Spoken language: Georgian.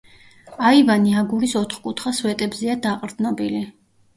აივანი აგურის ოთკუთხა სვეტებზეა დაყრდნობილი.